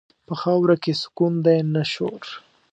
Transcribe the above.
په خاورو کې سکون دی، نه شور.